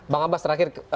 bang abbas terakhir